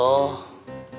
empat puluh pintu ya